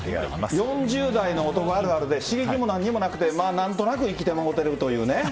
４０代の男あるあるで、刺激もなんにもなくて、なんとなく生きてもうてるというね。